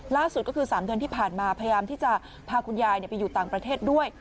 ล่าสุดก็คือ๓เดือนที่ผ่านมาพยายามที่จะพาคุณยายไปอยู่ต่างประเทศด้วย